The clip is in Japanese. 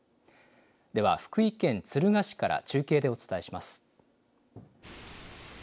では福井県敦賀市から中継でお伝えします。